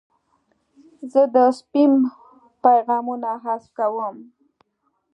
زه د سپیم پیغامونه حذف کوم.